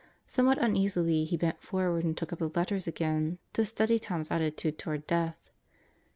Somewhat uneasily he bent forward and took up the letters again, to study Tom's attitude toward death.